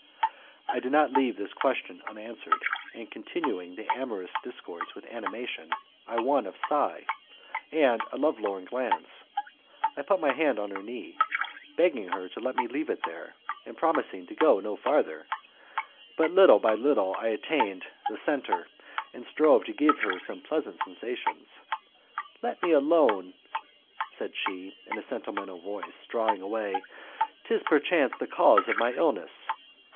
I did not leave this question unanswered, and continuing the amorous discourse with animation I won a sigh and a lovelorn glance. I put my hand on her knee, begging her to let me leave it there, and promising to go no farther, but little by little I attained the center, and strove to give her some pleasant sensations. "Let me alone," said she, in a sentimental voice, drawing away, "'tis perchance the cause of my illness."